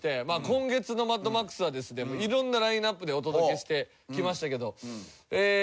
今月の『マッドマックス』はですね色んなラインアップでお届けしてきましたけどえー